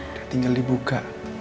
udah tinggal dibuka